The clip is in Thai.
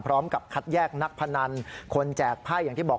พร้อมกับคัดแยกนักพนันคนแจกไพ่อย่างที่บอก